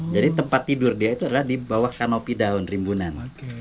jadi tempat tidur dia itu adalah di bawah kanopi daun rimbunan